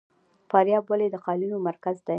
فاریاب ولې د قالینو مرکز دی؟